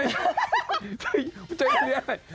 ไม่ชอบเรียไหม